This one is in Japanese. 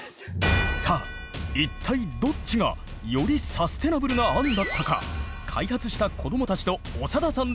さあ一体どっちがよりサステナブルな案だったか開発した子どもたちと長田さんで判定！